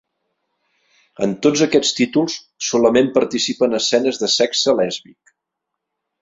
En tots aquests títols solament participa en escenes de sexe lèsbic.